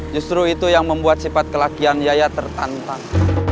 justru itu yang membuat sifat kelakian yaya tertantang